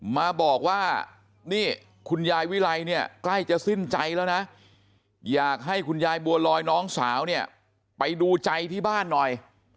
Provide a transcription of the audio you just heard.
มาบอกว่านี่คุณยายวิไลเนี่ยใกล้จะสิ้นใจแล้วนะอยากให้คุณยายบัวลอยน้องสาวเนี่ยไปดูใจที่บ้านหน่อย